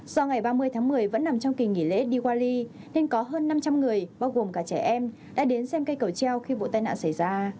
do ngày ba mươi tháng một mươi vẫn nằm trong kỳ nghỉ lễ diwali nên có hơn năm trăm linh người bao gồm cả trẻ em đã đến xem cây cầu treo khi vụ tai nạn xảy ra